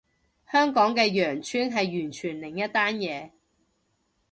香港嘅羊村係完全另一單嘢